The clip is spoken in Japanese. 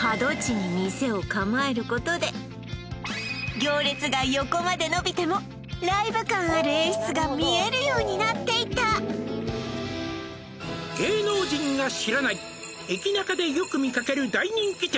行列が横まで延びてもライブ感ある演出が見えるようになっていた「芸能人が知らない駅ナカでよく見かける大人気店」